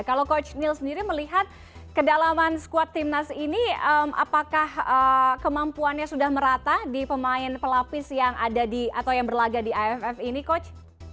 kalau coach neil sendiri melihat kedalaman squad timnas ini apakah kemampuannya sudah merata di pemain pelapis yang ada di atau yang berlagak di aff ini coach